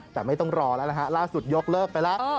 แต่ไม่ต้องรอแล้วนะฮะล่าสุดยกเลิกไปแล้ว